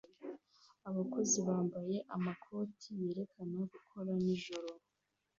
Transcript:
Abakozi bambaye amakoti yerekana gukora nijoro